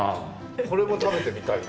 これも食べてみたいね。